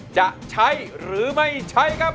จะใช้หรือไม่ใช้ครับ